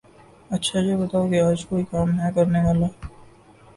اچھا یہ بتاؤ کے آج کوئی کام ہے کرنے والا؟